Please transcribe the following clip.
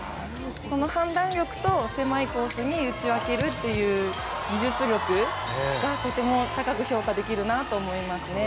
この判断力と狭いコースに打ち分けるっていう技術力がとても高く評価できるなと思いますね。